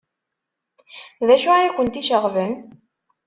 D acu ay kent-iceɣben?